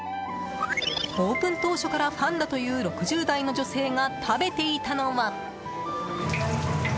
オープン当初からファンだという６０代の女性が食べていたのは。